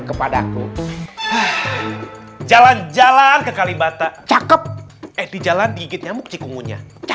kepada jalan jalan dengan kalibata cakep edy jalan gigit namun cikungnya